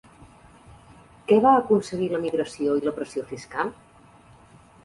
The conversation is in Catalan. Què va aconseguir l'emigració i la pressió fiscal?